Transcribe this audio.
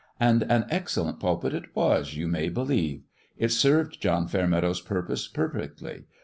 And an ex cellent pulpit it was, you may believe ! It served John Fairmeadow's purpose perfectly.